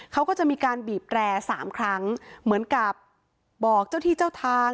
เขาก็จะมีการบีบแร่สามครั้งเหมือนกับบอกเจ้าที่เจ้าทาง